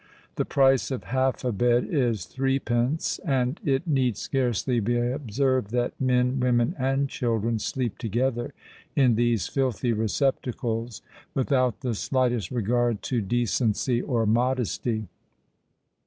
The price of half a bed is threepence; and it need scarcely be observed that men, women, and children sleep together in these filthy receptacles without the slightest regard to decency or modesty.